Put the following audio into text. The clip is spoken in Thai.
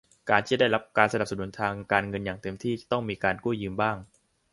การที่จะได้รับการสนับสนุนทางการเงินอย่างเต็มที่ จะต้องมีการกู้ยืมบ้าง